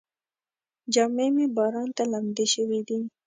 جامې مې باران ته لمدې شوې دي.